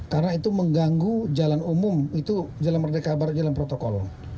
karena itu mengganggu jalan umum itu jalan merdeka barat jalan protokol